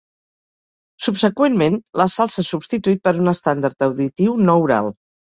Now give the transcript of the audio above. Subseqüentment, la sal s'ha substituït per un estàndard auditiu no oral.